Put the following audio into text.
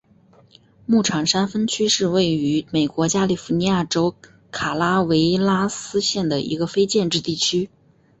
牧场山分区是位于美国加利福尼亚州卡拉韦拉斯县的一个非建制地区。